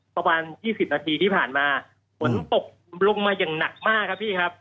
ประมาณ๒๐นาทีที่ผ่านมาฝนตกลงมาอย่างหนักมากครับพี่ครับ